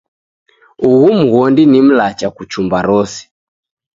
Ughu mghondi ni mlacha kuchumba rose.